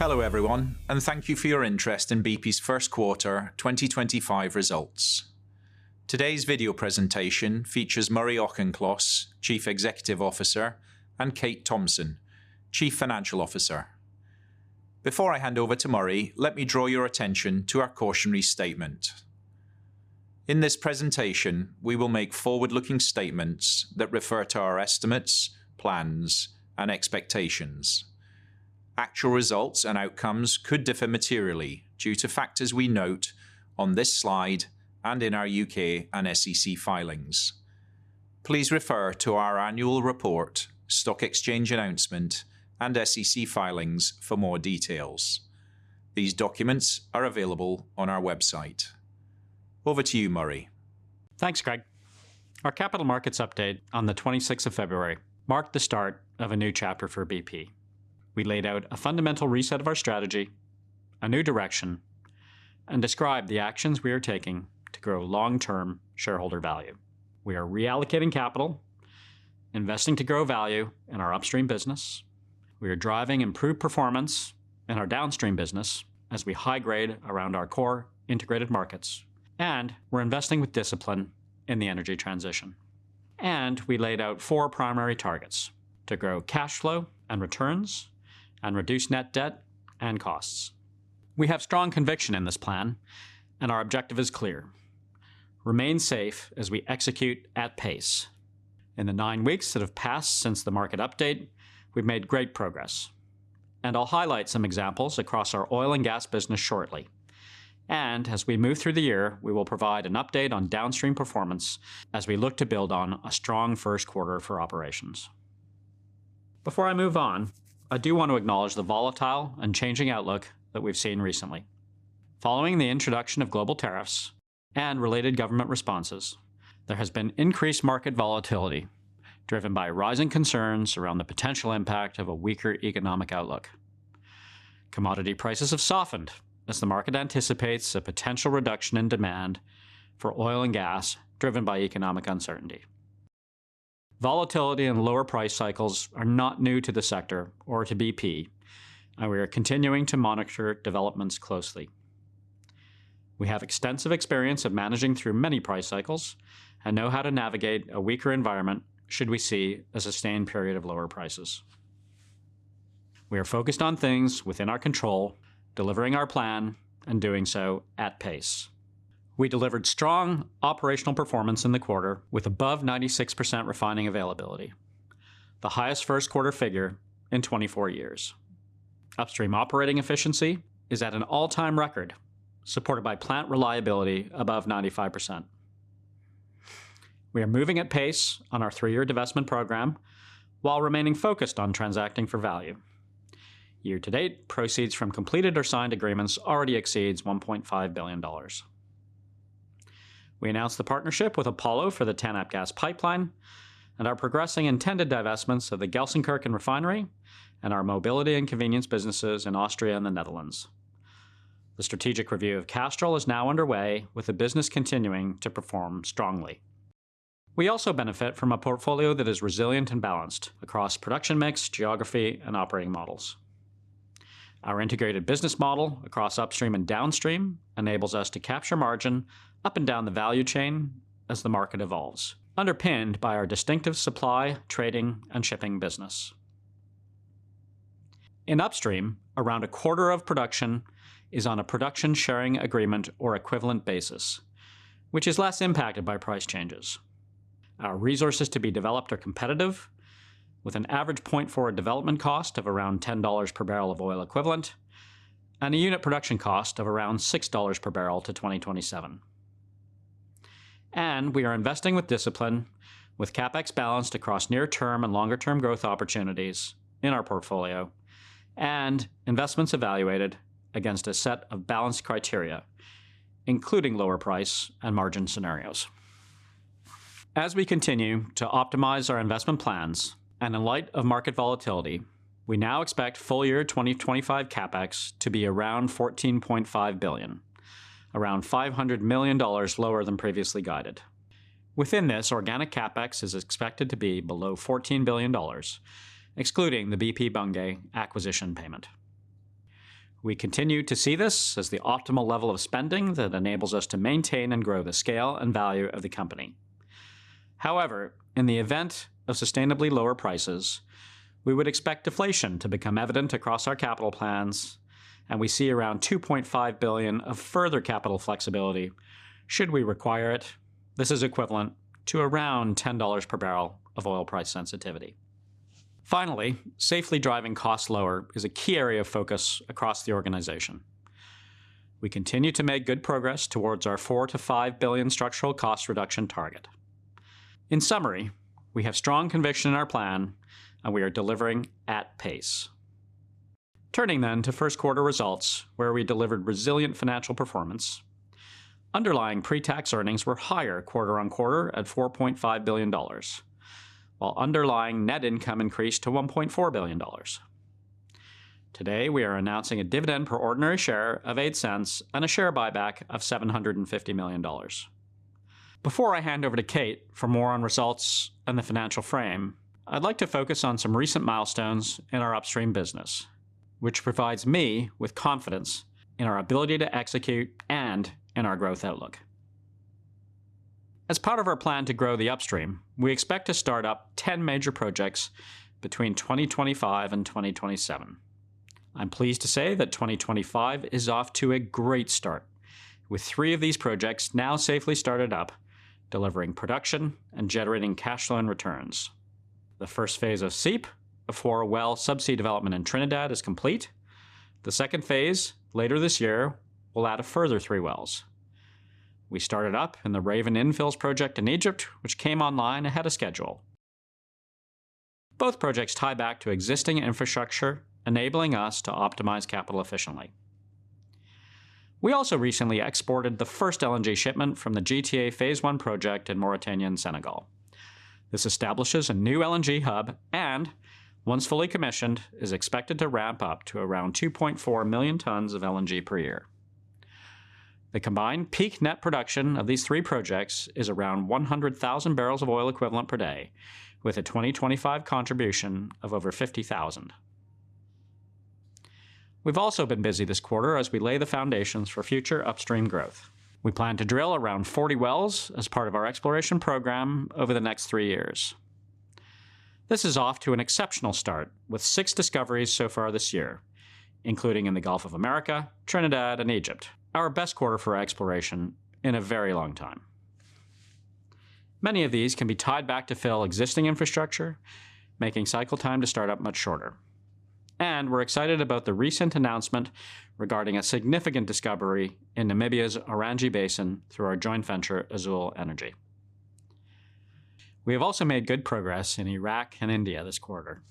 Hello everyone, and thank you for your interest in BP's first quarter 2025 results. Today's video presentation features Murray Auchincloss, Chief Executive Officer, and Kate Thomson, Chief Financial Officer. Before I hand over to Murray, let me draw your attention to our cautionary statement. In this presentation, we will make forward-looking statements that refer to our estimates, plans, and expectations. Actual results and outcomes could differ materially due to factors we note on this slide and in our U.K. and SEC filings. Please refer to our annual report, stock exchange announcement, and SEC filings for more details. These documents are available on our website. Over to you, Murray. Thanks, Craig. Our capital markets update on the 26th of February marked the start of a new chapter for BP. We laid out a fundamental reset of our strategy, a new direction, and described the actions we are taking to grow long-term shareholder value. We are reallocating capital, investing to grow value in our upstream business. We are driving improved performance in our downstream business as we high-grade around our core integrated markets, and we're investing with discipline in the energy transition. We laid out four primary targets: to grow cash flow and returns, and reduce net debt and costs. We have strong conviction in this plan, and our objective is clear: remain safe as we execute at pace. In the nine weeks that have passed since the market update, we've made great progress, and I'll highlight some examples across our oil and gas business shortly. As we move through the year, we will provide an update on downstream performance as we look to build on a strong first quarter for operations. Before I move on, I do want to acknowledge the volatile and changing outlook that we've seen recently. Following the introduction of global tariffs and related government responses, there has been increased market volatility driven by rising concerns around the potential impact of a weaker economic outlook. Commodity prices have softened as the market anticipates a potential reduction in demand for oil and gas driven by economic uncertainty. Volatility and lower price cycles are not new to the sector or to BP, and we are continuing to monitor developments closely. We have extensive experience of managing through many price cycles and know how to navigate a weaker environment should we see a sustained period of lower prices. We are focused on things within our control, delivering our plan, and doing so at pace. We delivered strong operational performance in the quarter with above 96% refining availability, the highest first quarter figure in 24 years. Upstream operating efficiency is at an all-time record, supported by plant reliability above 95%. We are moving at pace on our three-year divestment program while remaining focused on transacting for value. Year-to-date proceeds from completed or signed agreements already exceed $1.5 billion. We announced the partnership with Apollo for the TANAP gas pipeline and are progressing intended divestments of the Gelsenkirchen refinery and our mobility and convenience businesses in Austria and the Netherlands. The strategic review of Castrol is now underway, with the business continuing to perform strongly. We also benefit from a portfolio that is resilient and balanced across production mix, geography, and operating models. Our integrated business model across upstream and downstream enables us to capture margin up and down the value chain as the market evolves, underpinned by our distinctive supply, trading, and shipping business. In upstream, around a quarter of production is on a production-sharing agreement or equivalent basis, which is less impacted by price changes. Our resources to be developed are competitive, with an average point forward development cost of around $10 per barrel of oil equivalent and a unit production cost of around $6 per barrel to 2027. We are investing with discipline, with CapEx balanced across near-term and longer-term growth opportunities in our portfolio and investments evaluated against a set of balanced criteria, including lower price and margin scenarios. As we continue to optimize our investment plans and in light of market volatility, we now expect full year 2025 CapEx to be around $14.5 billion, around $500 million lower than previously guided. Within this, organic CapEx is expected to be below $14 billion, excluding the BP Bunge acquisition payment. We continue to see this as the optimal level of spending that enables us to maintain and grow the scale and value of the company. However, in the event of sustainably lower prices, we would expect deflation to become evident across our capital plans, and we see around $2.5 billion of further capital flexibility should we require it. This is equivalent to around $10 per barrel of oil price sensitivity. Finally, safely driving costs lower is a key area of focus across the organization. We continue to make good progress towards our $4 billion-$5 billion structural cost reduction target. In summary, we have strong conviction in our plan, and we are delivering at pace. Turning then to first quarter results, where we delivered resilient financial performance. Underlying pre-tax earnings were higher quarter on quarter at $4.5 billion, while underlying net income increased to $1.4 billion. Today, we are announcing a dividend per ordinary share of $0.08 and a share buyback of $750 million. Before I hand over to Kate for more on results and the financial frame, I'd like to focus on some recent milestones in our upstream business, which provides me with confidence in our ability to execute and in our growth outlook. As part of our plan to grow the upstream, we expect to start up 10 major projects between 2025 and 2027. I'm pleased to say that 2025 is off to a great start, with three of these projects now safely started up, delivering production and generating cash flow and returns. The first phase of Cypre, a four-well subsea development in Trinidad, is complete. The second phase, later this year, will add a further three wells. We started up in the Raven Infills project in Egypt, which came online ahead of schedule. Both projects tie back to existing infrastructure, enabling us to optimize capital efficiently. We also recently exported the first LNG shipment from the GTA Phase 1 project in Mauritania, Senegal. This establishes a new LNG hub and, once fully commissioned, is expected to ramp up to around 2.4 million tons of LNG per year. The combined peak net production of these three projects is around 100,000 barrels of oil equivalent per day, with a 2025 contribution of over 50,000. We've also been busy this quarter as we lay the foundations for future upstream growth. We plan to drill around 40 wells as part of our exploration program over the next three years. This is off to an exceptional start with six discoveries so far this year, including in the Gulf of Mexico, Trinidad, and Egypt, our best quarter for our exploration in a very long time. Many of these can be tied back to fill existing infrastructure, making cycle time to start up much shorter. We are excited about the recent announcement regarding a significant discovery in Namibia's Orange Basin through our joint venture, Azule Energy. We have also made good progress in Iraq and India this quarter.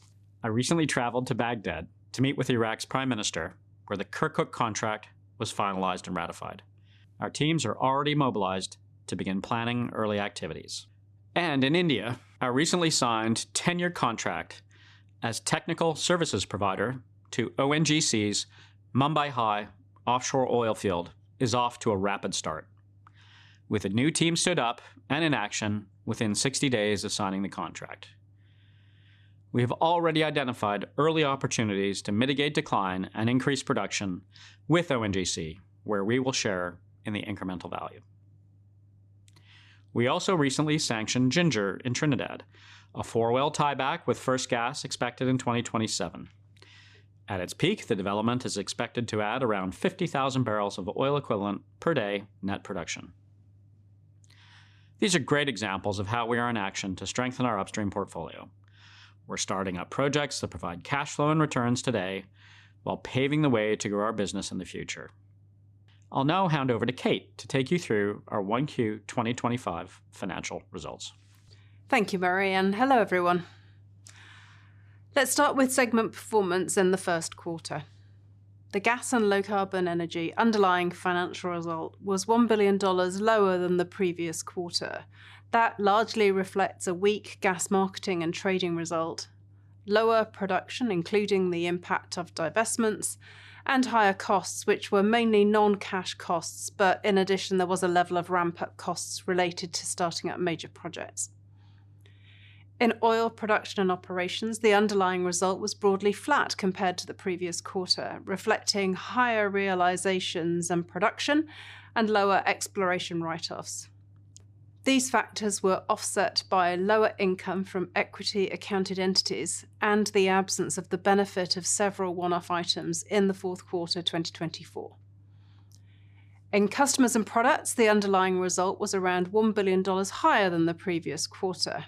I recently traveled to Baghdad to meet with Iraq's Prime Minister, where the Kirkuk contract was finalized and ratified. Our teams are already mobilized to begin planning early activities. In India, our recently signed 10-year contract as technical services provider to ONGC's Mumbai High offshore oil field is off to a rapid start, with a new team stood up and in action within 60 days of signing the contract. We have already identified early opportunities to mitigate decline and increase production with ONGC, where we will share in the incremental value. We also recently sanctioned Ginger in Trinidad, a four-well tieback with first gas expected in 2027. At its peak, the development is expected to add around 50,000 barrels of oil equivalent per day net production. These are great examples of how we are in action to strengthen our upstream portfolio. We are starting up projects that provide cash flow and returns today while paving the way to grow our business in the future. I'll now hand over to Kate to take you through our 1Q 2025 financial results. Thank you, Murray, and hello, everyone. Let's start with segment performance in the first quarter. The gas and low carbon energy underlying financial result was $1 billion lower than the previous quarter. That largely reflects a weak gas marketing and trading result, lower production, including the impact of divestments, and higher costs, which were mainly non-cash costs. In addition, there was a level of ramp-up costs related to starting up major projects. In oil production and operations, the underlying result was broadly flat compared to the previous quarter, reflecting higher realizations and production and lower exploration write-offs. These factors were offset by lower income from equity-accounted entities and the absence of the benefit of several one-off items in the fourth quarter 2024. In customers and products, the underlying result was around $1 billion higher than the previous quarter.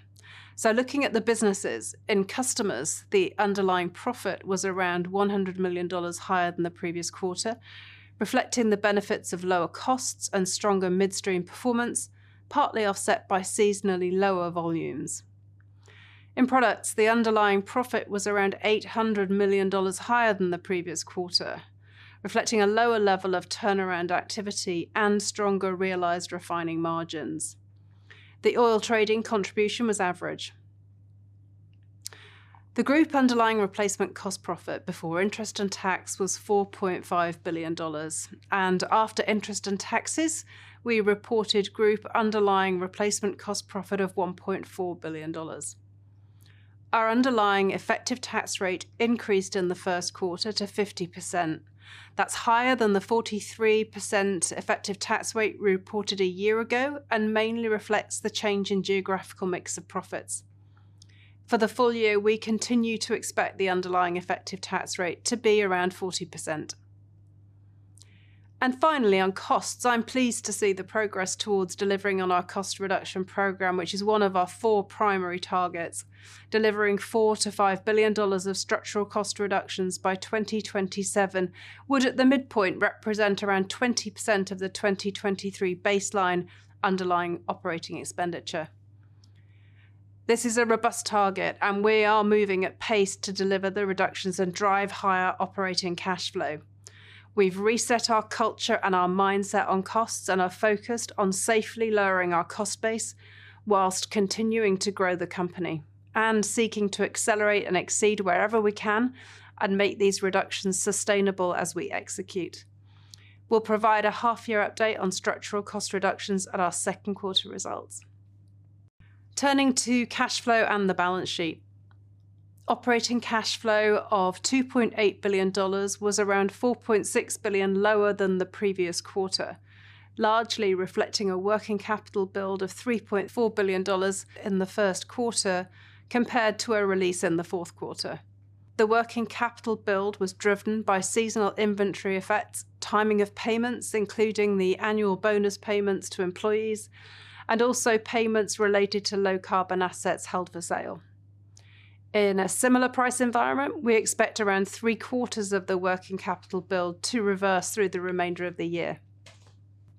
Looking at the businesses, in customers, the underlying profit was around $100 million higher than the previous quarter, reflecting the benefits of lower costs and stronger midstream performance, partly offset by seasonally lower volumes. In products, the underlying profit was around $800 million higher than the previous quarter, reflecting a lower level of turnaround activity and stronger realized refining margins. The oil trading contribution was average. The group underlying replacement cost profit before interest and tax was $4.5 billion, and after interest and taxes, we reported group underlying replacement cost profit of $1.4 billion. Our underlying effective tax rate increased in the first quarter to 50%. That's higher than the 43% effective tax rate reported a year ago and mainly reflects the change in geographical mix of profits. For the full year, we continue to expect the underlying effective tax rate to be around 40%. Finally, on costs, I'm pleased to see the progress towards delivering on our cost reduction program, which is one of our four primary targets. Delivering $4 billion-$5 billion of structural cost reductions by 2027 would, at the midpoint, represent around 20% of the 2023 baseline underlying operating expenditure. This is a robust target, and we are moving at pace to deliver the reductions and drive higher operating cash flow. We've reset our culture and our mindset on costs and are focused on safely lowering our cost base whilst continuing to grow the company and seeking to accelerate and exceed wherever we can and make these reductions sustainable as we execute. We'll provide a half-year update on structural cost reductions at our second quarter results. Turning to cash flow and the balance sheet, operating cash flow of $2.8 billion was around $4.6 billion lower than the previous quarter, largely reflecting a working capital build of $3.4 billion in the first quarter compared to a release in the fourth quarter. The working capital build was driven by seasonal inventory effects, timing of payments, including the annual bonus payments to employees, and also payments related to low carbon assets held for sale. In a similar price environment, we expect around three quarters of the working capital build to reverse through the remainder of the year.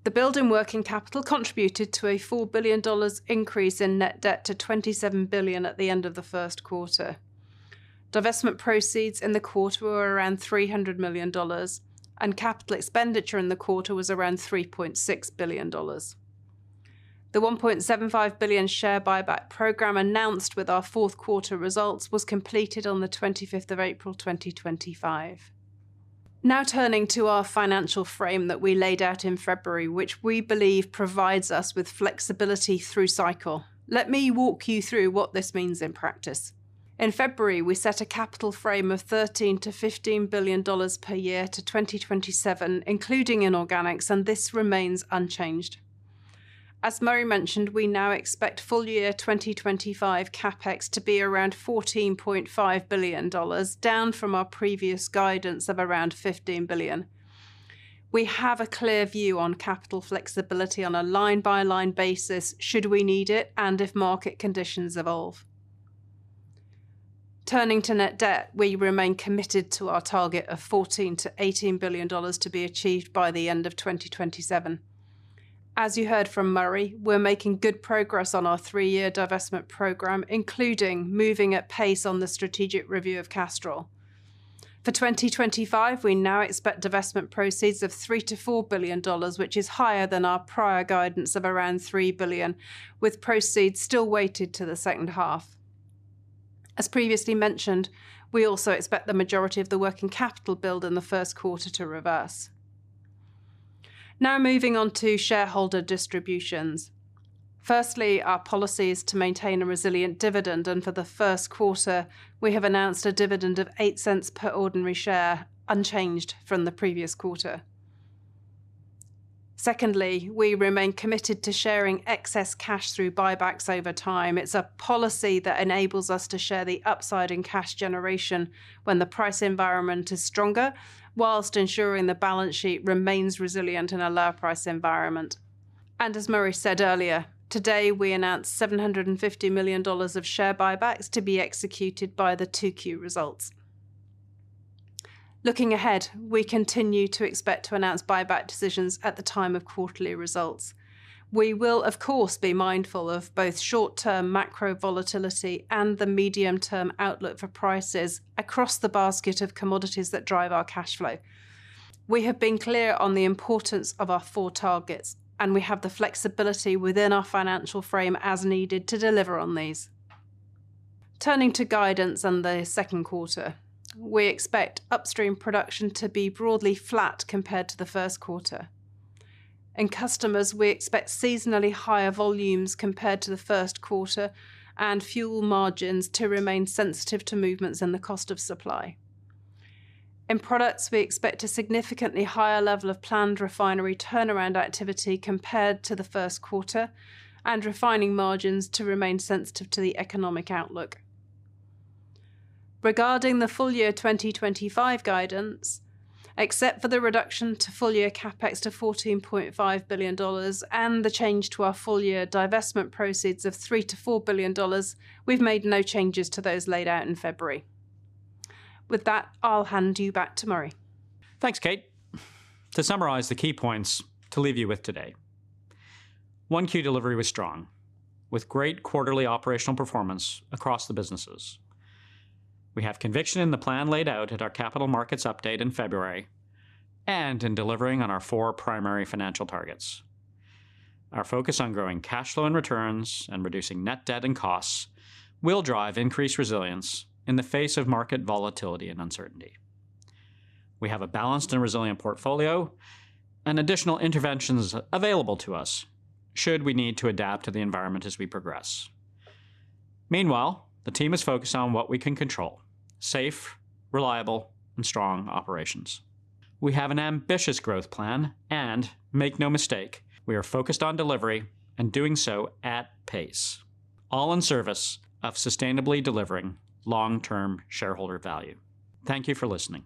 The build in working capital contributed to a $4 billion increase in net debt to $27 billion at the end of the first quarter. Divestment proceeds in the quarter were around $300 million, and capital expenditure in the quarter was around $3.6 billion. The $1.75 billion share buyback program announced with our fourth quarter results was completed on the 25th of April 2025. Now turning to our financial frame that we laid out in February, which we believe provides us with flexibility through cycle. Let me walk you through what this means in practice. In February, we set a capital frame of $13 billion-$15 billion per year to 2027, including in organics, and this remains unchanged. As Murray mentioned, we now expect full year 2025 CapEx to be around $14.5 billion, down from our previous guidance of around $15 billion. We have a clear view on capital flexibility on a line-by-line basis should we need it and if market conditions evolve. Turning to net debt, we remain committed to our target of $14 billion-$18 billion to be achieved by the end of 2027. As you heard from Murray, we're making good progress on our three-year divestment program, including moving at pace on the strategic review of Castrol. For 2025, we now expect divestment proceeds of $3 billion-$4 billion, which is higher than our prior guidance of around $3 billion, with proceeds still weighted to the second half. As previously mentioned, we also expect the majority of the working capital build in the first quarter to reverse. Now moving on to shareholder distributions. Firstly, our policy is to maintain a resilient dividend, and for the first quarter, we have announced a dividend of $0.08 per ordinary share, unchanged from the previous quarter. Secondly, we remain committed to sharing excess cash through buybacks over time. It's a policy that enables us to share the upside in cash generation when the price environment is stronger, whilst ensuring the balance sheet remains resilient in a low price environment. As Murray said earlier, today we announced $750 million of share buybacks to be executed by the 2Q results. Looking ahead, we continue to expect to announce buyback decisions at the time of quarterly results. We will, of course, be mindful of both short-term macro volatility and the medium-term outlook for prices across the basket of commodities that drive our cash flow. We have been clear on the importance of our four targets, and we have the flexibility within our financial frame as needed to deliver on these. Turning to guidance and the second quarter, we expect upstream production to be broadly flat compared to the first quarter. In customers, we expect seasonally higher volumes compared to the first quarter and fuel margins to remain sensitive to movements in the cost of supply. In products, we expect a significantly higher level of planned refinery turnaround activity compared to the first quarter and refining margins to remain sensitive to the economic outlook. Regarding the full year 2025 guidance, except for the reduction to full year CapEx to $14.5 billion and the change to our full year divestment proceeds of $3 billion-$4 billion, we've made no changes to those laid out in February. With that, I'll hand you back to Murray. Thanks, Kate. To summarize the key points to leave you with today, 1Q delivery was strong, with great quarterly operational performance across the businesses. We have conviction in the plan laid out at our capital markets update in February and in delivering on our four primary financial targets. Our focus on growing cash flow and returns and reducing net debt and costs will drive increased resilience in the face of market volatility and uncertainty. We have a balanced and resilient portfolio and additional interventions available to us should we need to adapt to the environment as we progress. Meanwhile, the team is focused on what we can control: safe, reliable, and strong operations. We have an ambitious growth plan and, make no mistake, we are focused on delivery and doing so at pace, all in service of sustainably delivering long-term shareholder value. Thank you for listening.